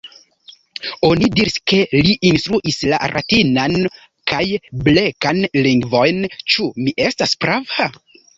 Oni diris ke li instruis la Ratinan kaj Blekan lingvojn. Ĉu mi estas prava?